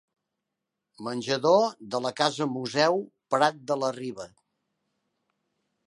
Menjador de la Casa-Museu Prat de la Riba.